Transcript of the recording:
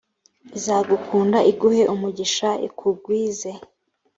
izagukunda iguhe umugisha ikugwize